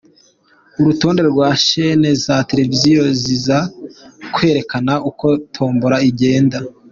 Urutonde rwa Shene za Televiziyo ziza kwerekana uko Tombola igenda.